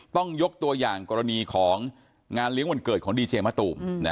ต้องยกตัวอย่างกรณีของงานเลี้ยงวันเกิดของดีเจมะตูม